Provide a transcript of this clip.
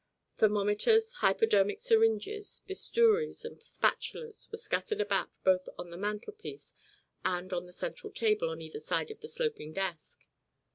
Thermometers, hypodermic syringes bistouries and spatulas were scattered about both on the mantelpiece and on the central table on either side of the sloping desk.